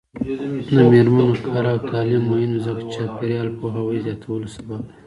د میرمنو کار او تعلیم مهم دی ځکه چې چاپیریال پوهاوي زیاتولو سبب دی.